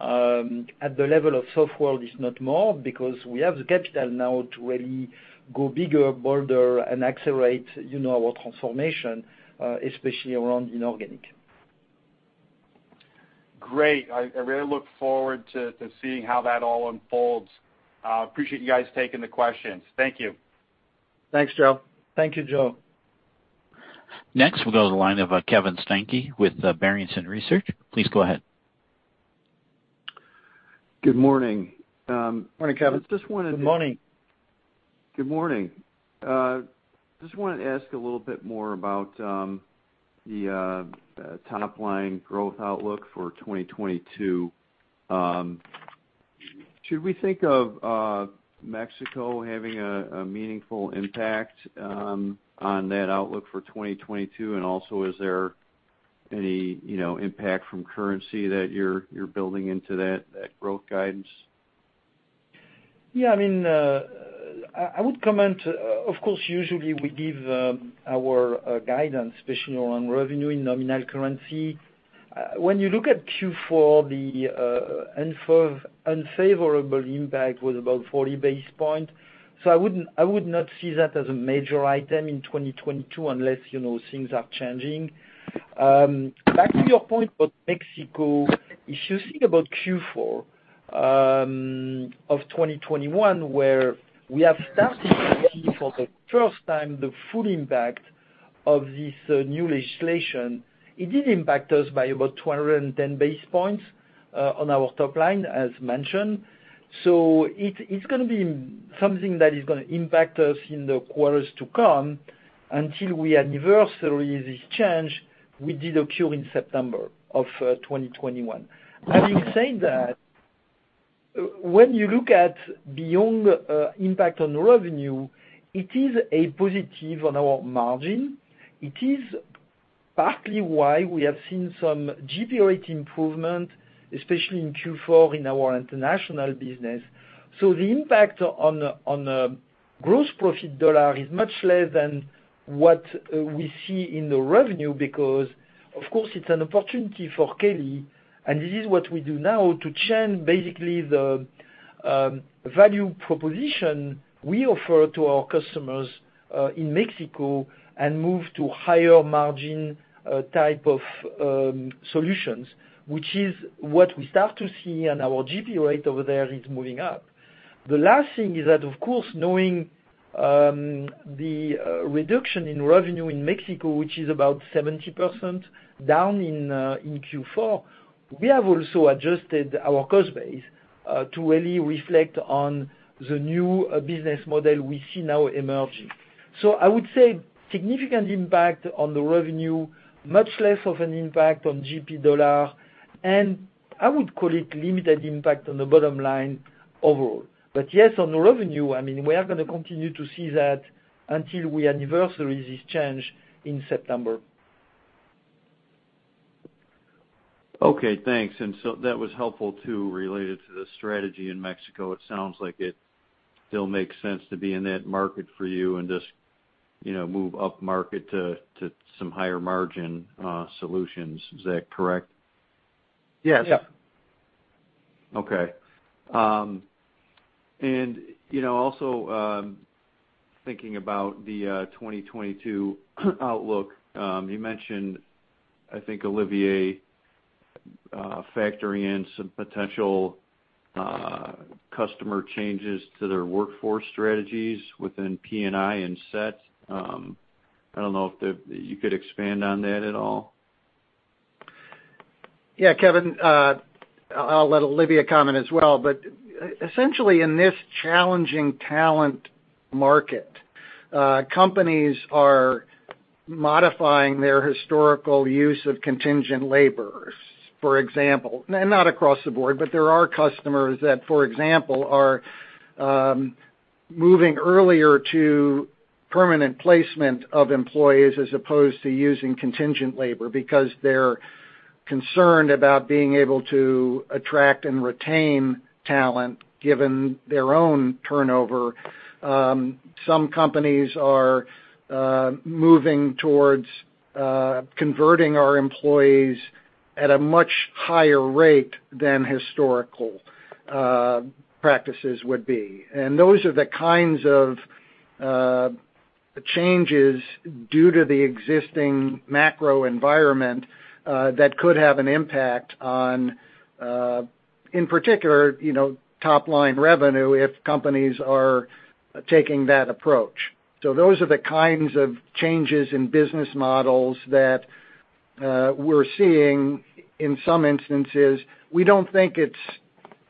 at the level of Softworld, if not more, because we have the capital now to really go bigger, bolder, and accelerate, you know, our transformation, especially around inorganic. Great. I really look forward to seeing how that all unfolds. Appreciate you guys taking the questions. Thank you. Thanks, Joe. Thank you, Joe. Next, we'll go to the line of Kevin Steinke with Barrington Research. Please go ahead. Good morning. Morning, Kevin. Good morning. Good morning. Just wanted to ask a little bit more about top line growth outlook for 2022. Should we think of Mexico having a meaningful impact on that outlook for 2022, and also is there any, you know, impact from currency that you're building into that growth guidance? Yeah, I mean, I would comment, of course, usually we give our guidance, especially around revenue in nominal currency. When you look at Q4, the unfavorable impact was about 40 basis points, so I would not see that as a major item in 2022 unless, you know, things are changing. Back to your point about Mexico, if you think about Q4 of 2021, where we have started to see for the first time the full impact of this new legislation, it did impact us by about 210 basis points on our top line, as mentioned. It's gonna be something that is gonna impact us in the quarters to come until we anniversary this change, which did occur in September of 2021. Having said that, when you look at beyond impact on revenue, it is a positive on our margin. It is partly why we have seen some GP rate improvement, especially in Q4 in our International business. The impact on gross profit dollar is much less than what we see in the revenue because, of course, it's an opportunity for Kelly, and it is what we do now to change basically the value proposition we offer to our customers in Mexico and move to higher margin type of solutions, which is what we start to see, and our GP rate over there is moving up. The last thing is that, of course, knowing the reduction in revenue in Mexico, which is about 70% down in Q4, we have also adjusted our cost base to really reflect on the new business model we see now emerging. I would say significant impact on the revenue, much less of an impact on GP dollar, and I would call it limited impact on the bottom line overall. Yes, on the revenue, I mean, we are gonna continue to see that until we anniversary this change in September. Okay, thanks. That was helpful, too, related to the strategy in Mexico. It sounds like it still makes sense to be in that market for you and just, you know, move upmarket to some higher margin solutions. Is that correct? Yes. Yeah. Okay. You know, also, thinking about the 2022 outlook, you mentioned, I think, Olivier, factoring in some potential customer changes to their workforce strategies within P&I and SET. I don't know if you could expand on that at all. Yeah, Kevin, I'll let Olivier comment as well. Essentially, in this challenging talent market, companies are modifying their historical use of contingent laborers. For example, and not across the board, but there are customers that, for example, are moving earlier to permanent placement of employees as opposed to using contingent labor because they're concerned about being able to attract and retain talent given their own turnover. Some companies are moving towards converting our employees at a much higher rate than historical practices would be. Those are the kinds of changes due to the existing macro environment that could have an impact on, in particular, you know, top-line revenue if companies are taking that approach. Those are the kinds of changes in business models that we're seeing in some instances. We don't think it's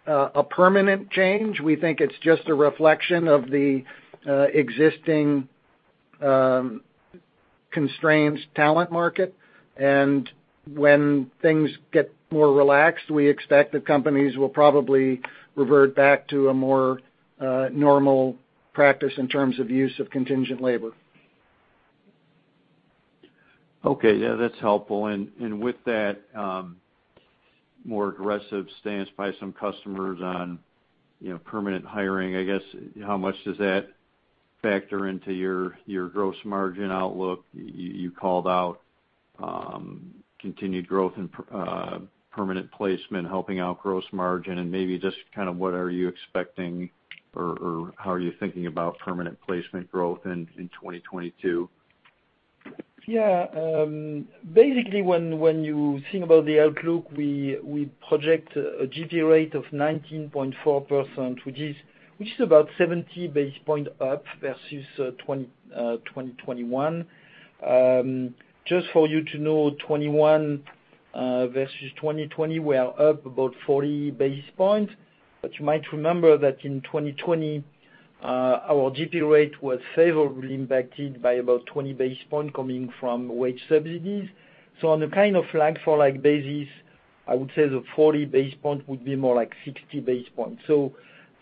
a permanent change. We think it's just a reflection of the existing constrained talent market. When things get more relaxed, we expect that companies will probably revert back to a more normal practice in terms of use of contingent labor. Okay. Yeah, that's helpful. With that, more aggressive stance by some customers on, you know, permanent hiring, I guess, how much does that factor into your gross margin outlook? You called out continued growth in permanent placement helping out gross margin, and maybe just kind of what are you expecting or how are you thinking about permanent placement growth in 2022? Yeah. Basically, when you think about the outlook, we project a GP rate of 19.4%, which is about 70 basis points up versus 2021. Just for you to know, 2021 versus 2020, we are up about 40 basis points. You might remember that in 2020, our GP rate was favorably impacted by about 20 basis points coming from wage subsidies. On a kind of like-for-like basis, I would say the 40 basis points would be more like 60 basis points.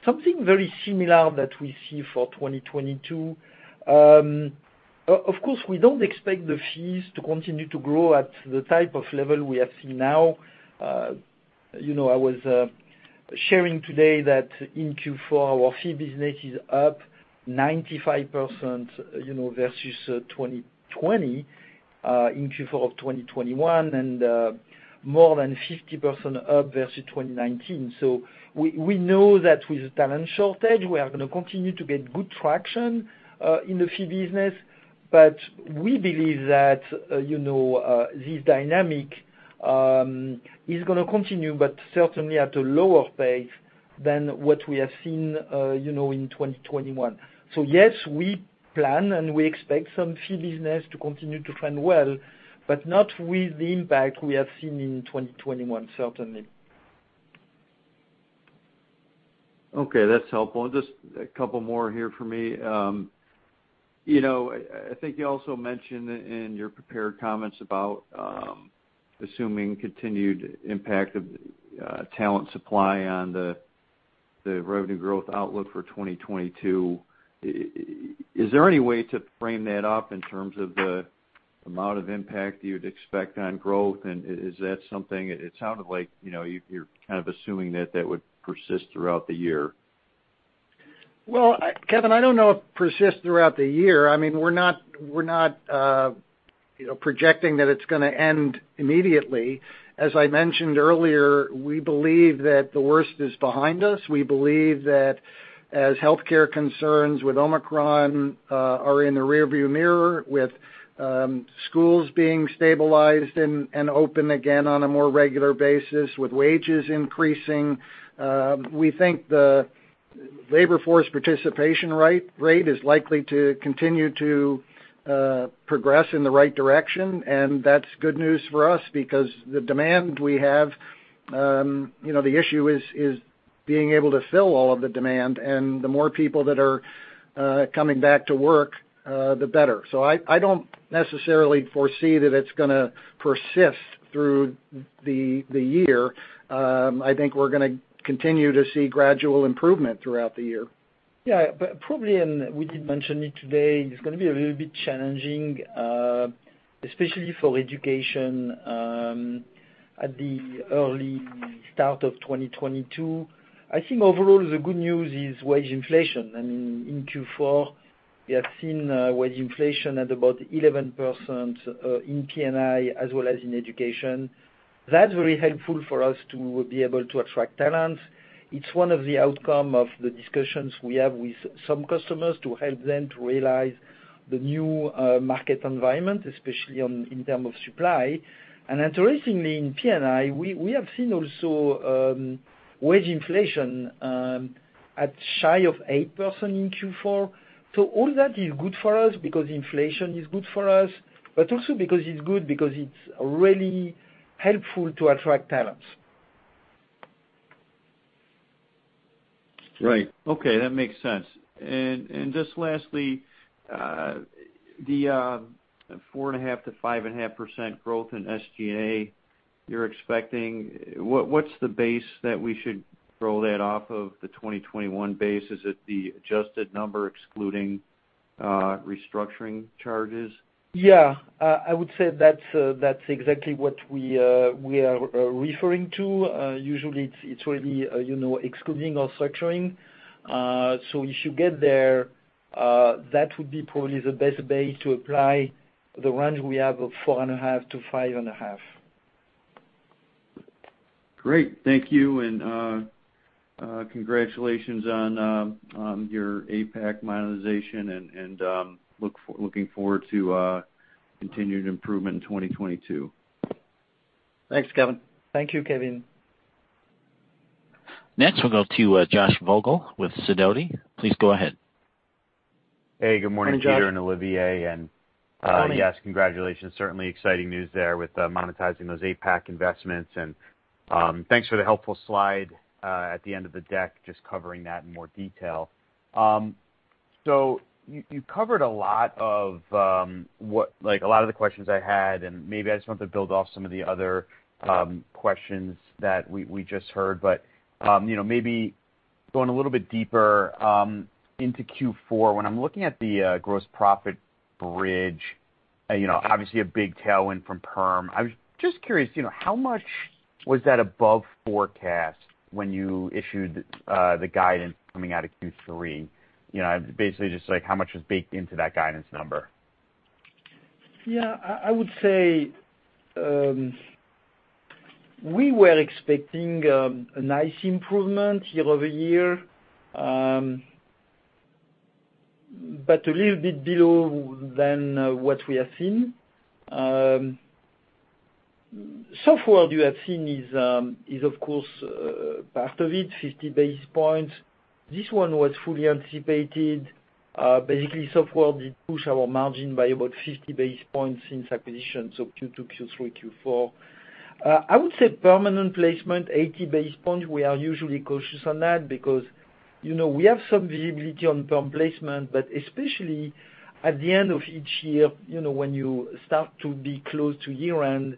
Something very similar that we see for 2022. Of course, we don't expect the fees to continue to grow at the type of level we have seen now. You know, I was sharing today that in Q4, our fee business is up 95%, you know, versus 2020, in Q4 of 2021, and more than 50% up versus 2019. We know that with talent shortage, we are gonna continue to get good traction in the fee business. But we believe that, you know, this dynamic is gonna continue, but certainly at a lower pace than what we have seen, you know, in 2021. Yes, we plan and we expect some fee business to continue to trend well, but not with the impact we have seen in 2021, certainly. Okay, that's helpful. Just a couple more here for me. You know, I think you also mentioned in your prepared comments about assuming continued impact of talent supply on the revenue growth outlook for 2022. Is there any way to frame that up in terms of the amount of impact you'd expect on growth? Is that something. It sounded like, you know, you're kind of assuming that would persist throughout the year. Well, Kevin, I don't know if it will persist throughout the year. I mean, we're not you know, projecting that it's gonna end immediately. As I mentioned earlier, we believe that the worst is behind us. We believe that as healthcare concerns with Omicron are in the rearview mirror, with schools being stabilized and open again on a more regular basis, with wages increasing, we think the labor force participation rate is likely to continue to progress in the right direction. That's good news for us because the demand we have, you know, the issue is being able to fill all of the demand. The more people that are coming back to work, the better. I don't necessarily foresee that it's gonna persist through the year. I think we're gonna continue to see gradual improvement throughout the year. Yeah. Probably, and we did mention it today, it's gonna be a little bit challenging, especially for education, at the early start of 2022. I think overall, the good news is wage inflation. I mean, in Q4, we have seen wage inflation at about 11%, in P&I as well as in Education. That's very helpful for us to be able to attract talent. It's one of the outcome of the discussions we have with some customers to help them to realize the new market environment, especially in terms of supply. Interestingly, in P&I, we have seen also wage inflation at shy of 8% in Q4. All that is good for us because inflation is good for us, but also because it's good because it's really helpful to attract talents. Right. Okay, that makes sense. And just lastly, the 4.5%-5.5% growth in SG&A you're expecting, what's the base that we should throw that off of the 2021 base? Is it the adjusted number excluding restructuring charges? Yeah. I would say that's exactly what we are referring to. Usually it's really, you know, excluding or structuring. If you get there, that would be probably the best base to apply the range we have of 4.5%-5.5%. Great. Thank you, and congratulations on your APAC monetization and looking forward to continued improvement in 2022. Thank you, Kevin. Next we'll go to Josh Vogel with Sidoti. Please go ahead. Hey, good morning. Morning, Josh. Peter and Olivier. Good morning. Yes, congratulations. Certainly exciting news there with monetizing those APAC investments. Thanks for the helpful slide at the end of the deck just covering that in more detail. So you covered a lot of, like, a lot of the questions I had, and maybe I just want to build off some of the other questions that we just heard. You know, maybe going a little bit deeper into Q4. When I'm looking at the gross profit bridge, you know, obviously a big tailwind from perm. I was just curious, you know, how much was that above forecast when you issued the guidance coming out of Q3? You know, basically just, like, how much was baked into that guidance number? Yeah. I would say we were expecting a nice improvement year-over-year, but a little bit below than what we have seen. Softworld you have seen is of course part of it, 50 basis points. This one was fully anticipated. Basically Softworld did push our margin by about 50 basis points since acquisition, so Q2, Q3, Q4. I would say permanent placement, 80 basis points, we are usually cautious on that because, you know, we have some visibility on perm placement. But especially at the end of each year, you know, when you start to be close to year-end,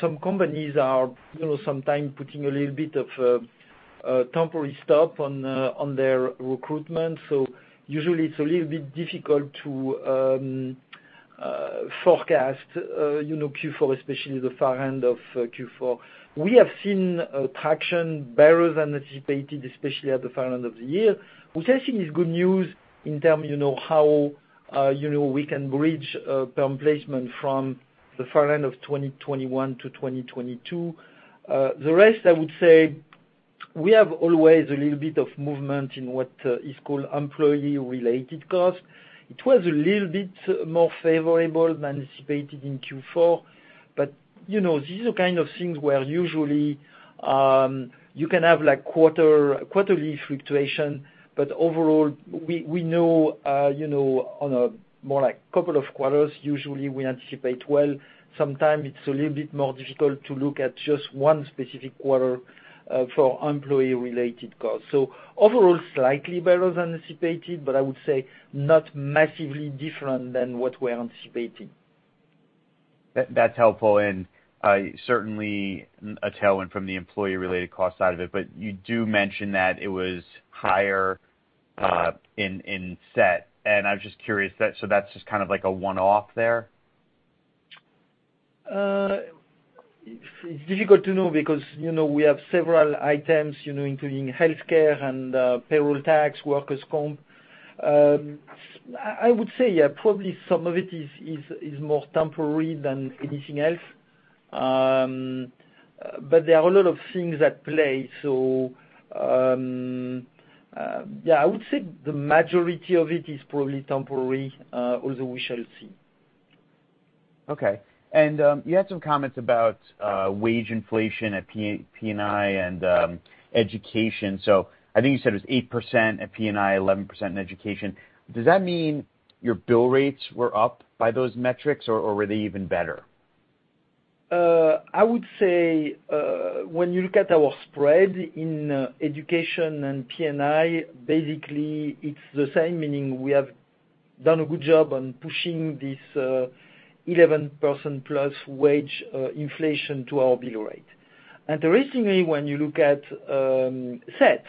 some companies are, you know, sometimes putting a little bit of a temporary stop on on their recruitment. Usually it's a little bit difficult to forecast, you know, Q4, especially the far end of Q4. We have seen traction better than anticipated, especially at the far end of the year. We're testing this good news in terms of how we can bridge perm placement from the far end of 2021 to 2022. The rest I would say we have always a little bit of movement in what is called employee-related costs. It was a little bit more favorable than anticipated in Q4. You know, these are kind of things where usually you can have like quarterly fluctuation. But overall, we know, you know, on a more like couple of quarters usually we anticipate well. Sometimes it's a little bit more difficult to look at just one specific quarter for employee-related costs. Overall, slightly better than anticipated, but I would say not massively different than what we're anticipating. That, that's helpful, and certainly a tailwind from the employee-related cost side of it. You do mention that it was higher in SET. I was just curious, so that's just kind of like a one-off there? It's difficult to know because, you know, we have several items, you know, including healthcare and payroll tax, workers' comp. I would say, yeah, probably some of it is more temporary than anything else. There are a lot of things at play. Yeah, I would say the majority of it is probably temporary, although we shall see. Okay, you had some comments about wage inflation at P&I and Education. I think you said it was 8% at P&I, 11% in Education. Does that mean your bill rates were up by those metrics, or were they even better? I would say, when you look at our spread in Education and P&I, basically it's the same, meaning we have done a good job on pushing this 11%+ wage inflation to our bill rate. Interestingly, when you look at SET,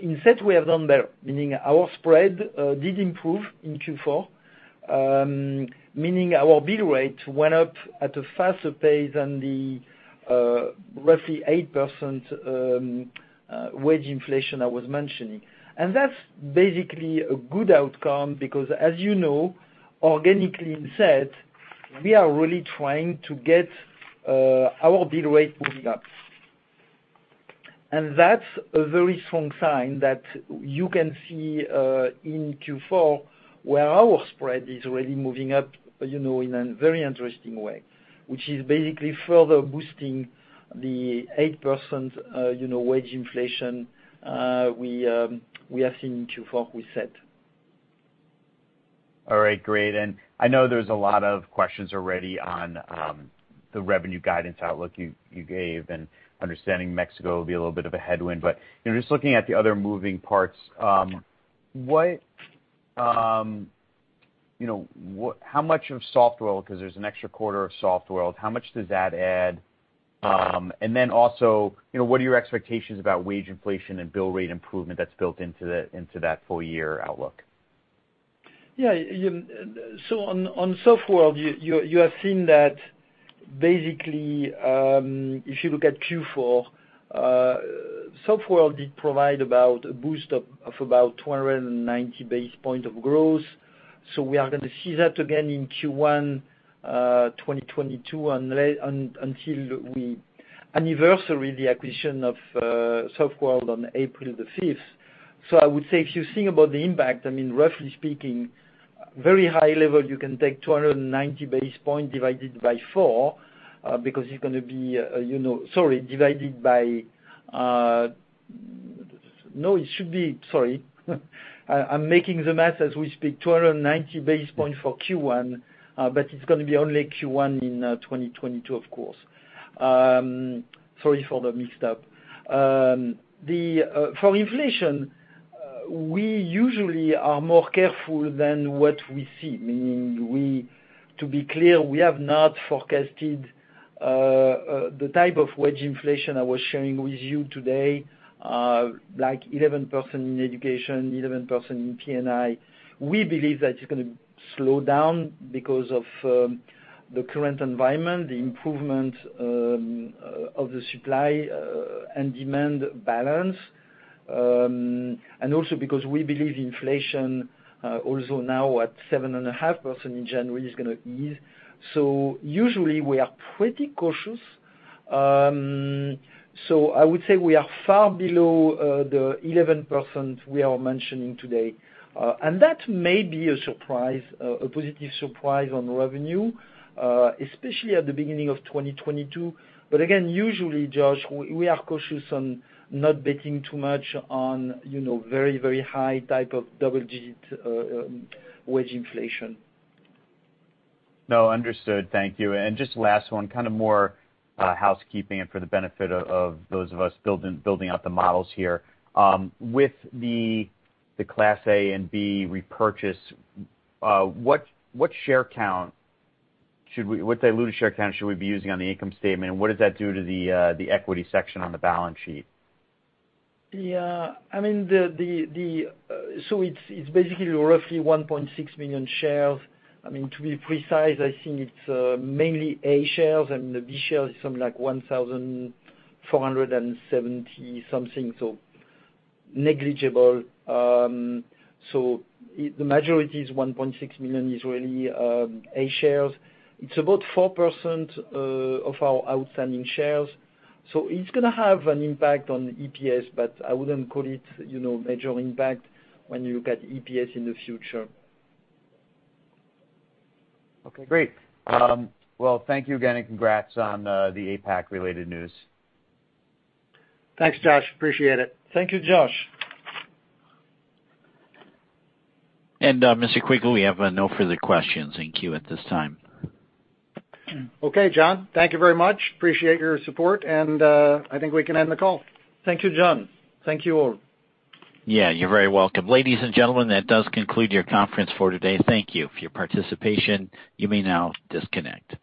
in SET we have done better, meaning our spread did improve in Q4, meaning our bill rate went up at a faster pace than the roughly 8% wage inflation I was mentioning. That's basically a good outcome because as you know, organically in SET, we are really trying to get our bill rate moving up. That's a very strong sign that you can see in Q4 where our spread is really moving up, you know, in a very interesting way, which is basically further boosting the 8% wage inflation we have seen in Q4 with SET. All right, great. I know there's a lot of questions already on the revenue guidance outlook you gave, and understanding Mexico will be a little bit of a headwind. You know, just looking at the other moving parts, how much of Softworld, 'cause there's an extra quarter of Softworld, how much does that add? Then also, you know, what are your expectations about wage inflation and bill rate improvement that's built into that full year outlook? On Softworld, you're seeing that basically, if you look at Q4, Softworld did provide about a boost of about 290 basis points of growth. We are gonna see that again in Q1 2022, until we anniversary the acquisition of Softworld on April 5th. I would say if you think about the impact, I mean, roughly speaking, very high level, you can take 290 basis points divided by four, because it's gonna be, you know. Sorry, divided by. No, it should be. Sorry. I'm making the math as we speak. 290 basis points for Q1, but it's gonna be only Q1 in 2022, of course. Sorry for the mix-up. The for inflation, we usually are more careful than what we see, meaning to be clear, we have not forecasted the type of wage inflation I was sharing with you today, like 11% in education, 11% in P&I. We believe that it's gonna slow down because of the current environment, the improvement of the supply and demand balance, and also because we believe inflation also now at 7.5% in January is gonna ease. Usually we are pretty cautious. I would say we are far below the 11% we are mentioning today. And that may be a surprise, a positive surprise on revenue, especially at the beginning of 2022. Again, usually, Josh, we are cautious on not betting too much on, you know, very, very high type of double-digit wage inflation. No, understood. Thank you. Just last one, kind of more housekeeping and for the benefit of those of us building out the models here. With the Class A and B repurchase, what diluted share count should we be using on the income statement, and what does that do to the equity section on the balance sheet? Yeah. I mean, it's basically roughly 1.6 million shares. I mean, to be precise, I think it's mainly A shares and the B shares is something like 1,470-something, so negligible. The majority is 1.6 million is really A shares. It's about 4% of our outstanding shares. It's gonna have an impact on EPS, but I wouldn't call it, you know, major impact when you look at EPS in the future. Okay, great. Well, thank you again, and congrats on the APAC related news. Thanks, Josh. Appreciate it. Thank you, Josh. Mr. Quigley, we have no further questions in queue at this time. Okay, John. Thank you very much. Appreciate your support and, I think we can end the call. Thank you, John. Thank you all. Yeah, you're very welcome. Ladies and gentlemen, that does conclude your conference for today. Thank you for your participation. You may now disconnect.